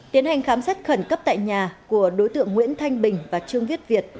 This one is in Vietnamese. tiến hành khám xét khẩn cấp tại nhà của đối tượng nguyễn thanh bình và trương viết việt